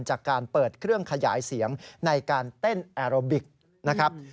จากการเปิดเครื่องขยายเสียงในการเต้นแอโรบิกนะครับ